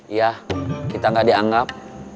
iya kita gak dianggap